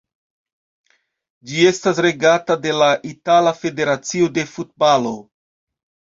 Ĝi estas regata de la Itala Federacio de Futbalo.